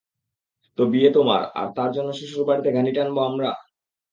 তো বিয়ে তোমার, আর তার জন্য শ্বশুরবাড়িতে ঘানি টানবো আমরা?